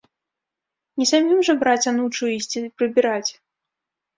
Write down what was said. Не самім жа браць анучу і ісці прыбіраць!